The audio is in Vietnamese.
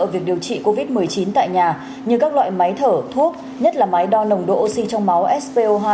việc điều trị covid một mươi chín tại nhà như các loại máy thở thuốc nhất là máy đo nồng độ oxy trong máu sbo hai